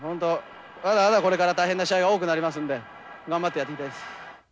まだまだこれから大変な試合が多くなりますんで頑張ってやっていきたいです。